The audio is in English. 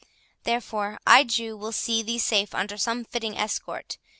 Therefore, Jew, I will see thee safe under some fitting escort.